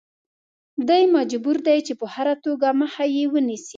دی مجبور دی چې په هره توګه مخه یې ونیسي.